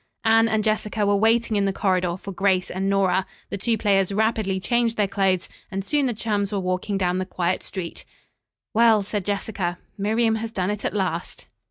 Anne and Jessica were waiting in the corridor for Grace and Nora. The two players rapidly changed their clothes and soon the chums were walking down the quiet street. "Well," said Jessica, "Miriam has done it at last."